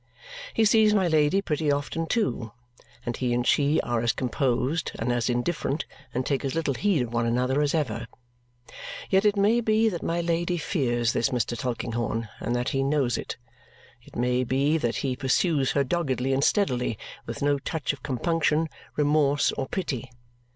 He sees my Lady pretty often, too; and he and she are as composed, and as indifferent, and take as little heed of one another, as ever. Yet it may be that my Lady fears this Mr. Tulkinghorn and that he knows it. It may be that he pursues her doggedly and steadily, with no touch of compunction, remorse, or pity.